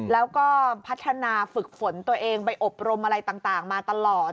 แล้วก็พัฒนาฝึกฝนตัวเองไปอบรมอะไรต่างมาตลอด